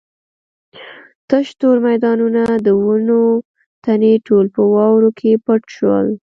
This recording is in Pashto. تش تور میدانونه د ونو تنې ټول په واورو کې پټ شول.